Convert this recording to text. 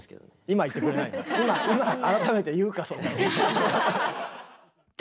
今改めて言うかそれ。